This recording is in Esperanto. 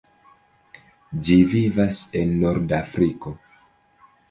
Ĝi vivas en Nordafriko.